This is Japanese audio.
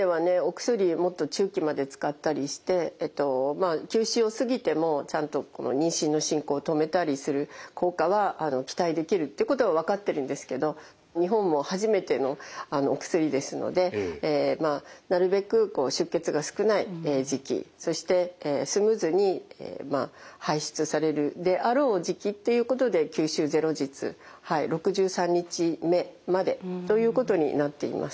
もっと中期まで使ったりして９週を過ぎてもちゃんと妊娠の進行を止めたりする効果は期待できるってことは分かってるんですけど日本も初めてのお薬ですのでなるべく出血が少ない時期そしてスムーズに排出されるであろう時期っていうことで９週０日６３日目までということになっています。